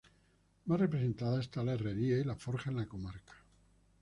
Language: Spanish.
Más representada esta la herrería y la forja en la comarca.